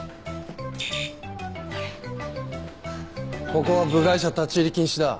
ここは部外者立ち入り禁止だ。